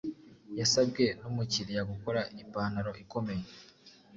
yasabwe n'umukiriya gukora ipantaro ikomeye